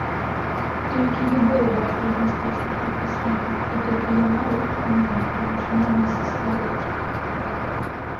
Толькі любоў вартая мастацкага апісання і толькі яна рухае намі, прымушае нас ствараць.